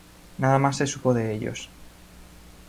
Nada más se supo de ellos.